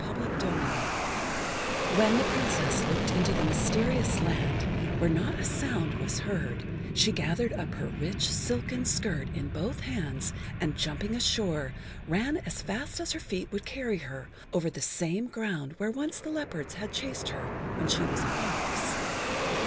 [Pg 40] CHAPTER III WHEN the Princess looked into the mysterious land, where not a sound was heard, she gathered up her rich silken skirt in both hands, and jumping ashore, ran as fast as her feet would carry her over the same ground where once the leopards had chased her when she was a fox.